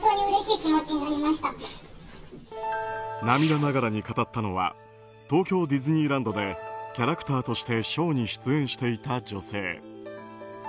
涙ながらに語ったのは東京ディズニーランドでキャラクターとしてショーに出演していた女性。